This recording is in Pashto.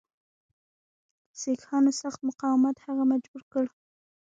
سیکهانو سخت مقاومت هغه مجبور کړ.